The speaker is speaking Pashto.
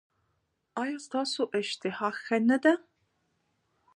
ایا ستاسو اشتها ښه نه ده؟